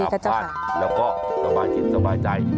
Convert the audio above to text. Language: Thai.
อบฟันแล้วก็สบายคิดสบายใจ